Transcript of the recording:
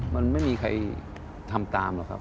มันไม่มีใครทำตามหรอกครับ